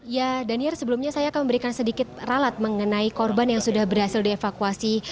ya danir sebelumnya saya akan memberikan sedikit ralat mengenai korban yang sudah berhasil dievakuasi